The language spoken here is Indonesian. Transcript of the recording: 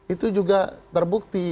itu juga berbukti